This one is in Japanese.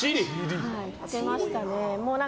行ってましたね。